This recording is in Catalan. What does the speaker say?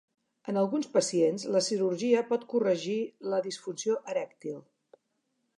En alguns pacients, la cirurgia pot corregir la disfunció erèctil.